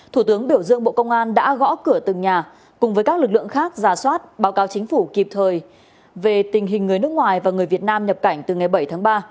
thủ tướng biểu dương bộ công an đã gõ cửa từng nhà cùng với các lực lượng khác giả soát báo cáo chính phủ kịp thời về tình hình người nước ngoài và người việt nam nhập cảnh từ ngày bảy tháng ba